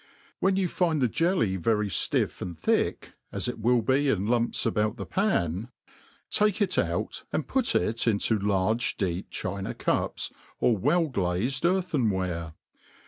When you iind the jelly very ftifF and thick, as it will be In lumps about the pan, take it out, and put it into large deep china cups^ or well glazed earthen ware.